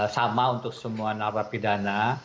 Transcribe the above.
sama untuk semua napapidana